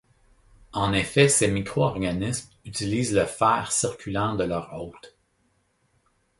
En effet ces micro-organismes utilisent le fer circulant de leur hôte.